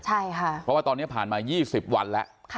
เพราะว่าตอนนี้ผ่านมา๒๐วันแล้ว